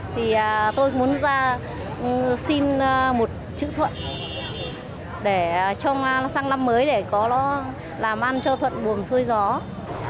thì tôi muốn xin một chữ thuận để cho nó sang năm mới để có nó làm ăn cho thuận buồm xuôi gió